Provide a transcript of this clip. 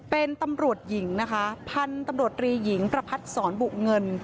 เป็นตำรวจหญิงนะคะพันธุ์ตำรวจรีหญิงประพัทธ์สอนบุเงิน